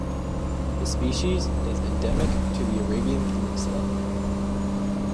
The species is endemic to the Arabian Peninsula.